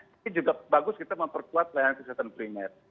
tapi juga bagus kita memperkuat layanan sistem primat